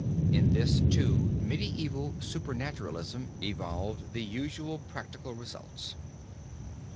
In this, too, medieval supernaturalism evolved the usual practical results.